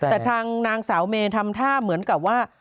แต่ทางนางสาวเมย์ทำท่าเหมือนกับว่า